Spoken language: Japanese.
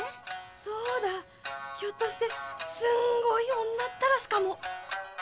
そうだひょっとしてすんごい女たらしかも？